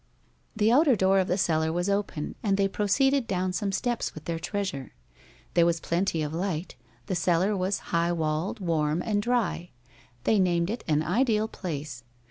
The outer door of the cellar was open, and they proceeded down some steps with their treasure. There was plenty of light; the cellar was high walled, warm, and dry. They named it an ideal place.